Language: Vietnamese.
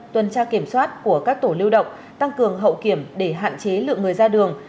tuần tra kiểm soát của các tổ lưu động tăng cường hậu kiểm để hạn chế lượng người ra đường